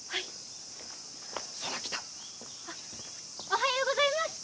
おはようございます！